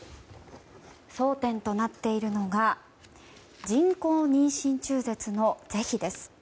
争点となっているのが人工妊娠中絶の是非です。